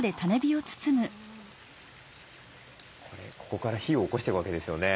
ここから火をおこしていくわけですよね。